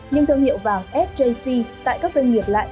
nhưng thương hiệu vàng sjc tại các doanh nghiệp lại